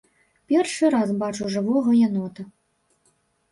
Першы раз бачу жывога янота.